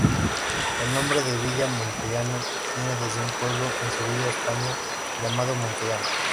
El nombre de Villa Montellano viene desde un pueblo en Sevilla, España llamado Montellano.